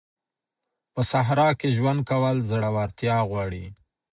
په صحرا کي ژوند کول زړورتيا غواړي.